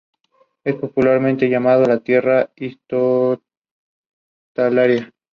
La mayoría de su contorno es accesible y cuenta con pocos lugares abruptos.